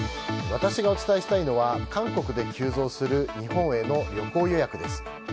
私がお伝えしたいのは韓国で急増する日本への旅行予約です。